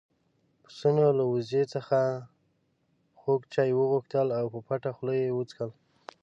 پسونو له وزې څخه خوږ چای وغوښتل او په پټه يې وڅښل.